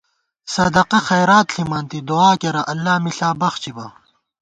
صدقہ خیرات ݪِمانتی، دُعا کېرہ اللہ مِݪا بخچِبہ